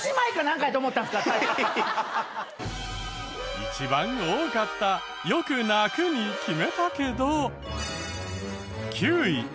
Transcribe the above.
一番多かったよく泣くに決めたけど。